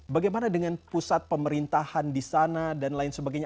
bagaimana dengan pusat pemerintahan di sana dan lain sebagainya